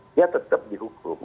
dia tetap dihukum